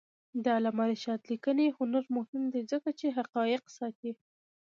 د علامه رشاد لیکنی هنر مهم دی ځکه چې حقایق ساتي.